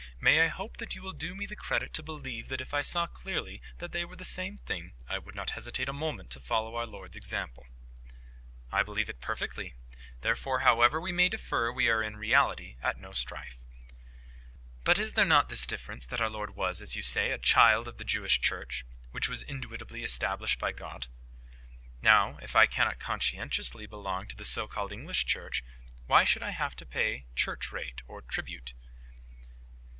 "May I hope that you will do me the credit to believe that if I saw clearly that they were the same thing, I would not hesitate a moment to follow our Lord's example." "I believe it perfectly. Therefore, however we may differ, we are in reality at no strife." "But is there not this difference, that our Lord was, as you say, a child of the Jewish Church, which was indubitably established by God? Now, if I cannot conscientiously belong to the so called English Church, why should I have to pay church rate or tribute?"